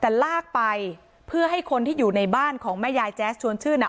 แต่ลากไปเพื่อให้คนที่อยู่ในบ้านของแม่ยายแจ๊สชวนชื่นอ่ะ